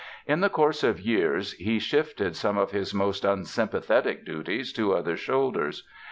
In the course of years he shifted some of his most unsympathetic duties to other shoulders.